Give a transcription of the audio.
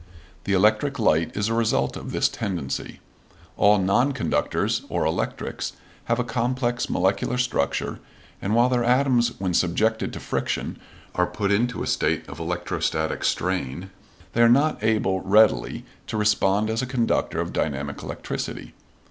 The electric light is a result of this tendency. All non conductors, or electrics, have a complex molecular structure, and, while their atoms when subjected to friction are put into a state of electrostatic strain, they are not able readily to respond as a conductor of dynamic electricity.